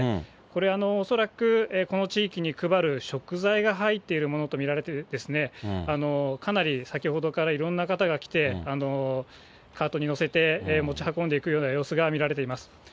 これ恐らく、この地域に配る食材が入っているものと見られて、かなり先ほどからいろんな方が来て、カートに載せて持ち運んでいくような様子が見られています。